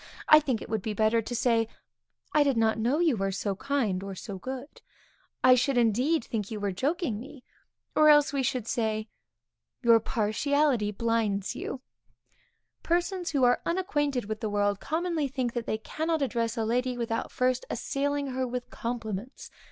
I think it would be better to say, I did not know you were so kind (or so good) I should indeed think you were joking me. Or else, we should say, your partiality blinds you. Persons who are unacquainted with the world, commonly think that they cannot address a lady without first assailing her with compliments.